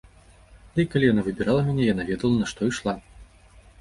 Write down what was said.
Ды і калі яна выбірала мяне, яна ведала на што ішла.